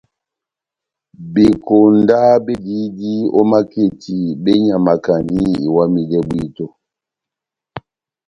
Bekonda bediyidi ó maketi benyamakandi iwamidɛ bwíto.